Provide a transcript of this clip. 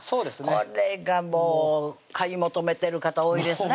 これがもう買い求めてる方多いですね